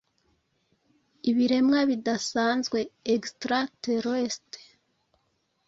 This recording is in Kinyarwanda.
Ibiremwa bidasanzwe Extra Terrestre